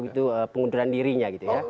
itu pengunduran dirinya gitu ya